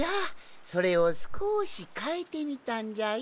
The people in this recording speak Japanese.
それをすこしかえてみたんじゃよ。